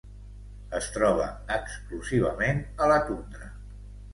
Es troba exclusivament a la tundra.